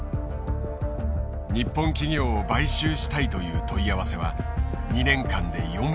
日本企業を買収したいという問い合わせは２年間で４倍に急増。